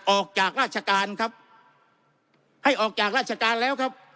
ออกจากราชการครับให้ออกจากราชการแล้วครับ